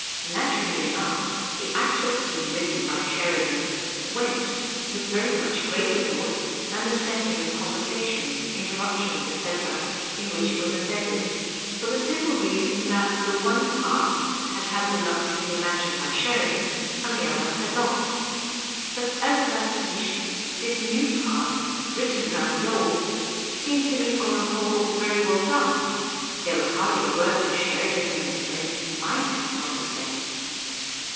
Naturally enough the actual scene written by Sheridan " went " with very much greater force than the setting of conversations, interruptions, etc., in which it was embedded, for the simple reason that the one part had had the luck to be imagined by Sheridan and the other had not. But as a pasiiclic this new part, written round the old, seemed to me on the whole very well done ; there was hardly a word that Sheridan and his friends migld not have said.